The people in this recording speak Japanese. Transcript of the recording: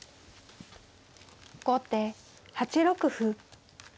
後手８六歩。